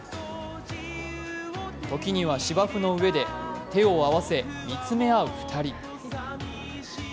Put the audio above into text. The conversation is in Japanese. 時には芝生の上で、手を合わせ見つめ合う２人。